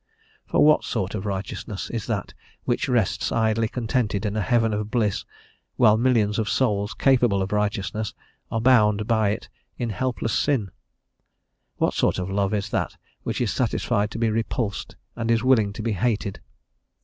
For what sort of Righteousness is that which rests idly contented in a heaven of bliss, while millions of souls capable of righteousness are bound by it in helpless sin; what sort of love is that which is satisfied to be repulsed, and is willing to be hated?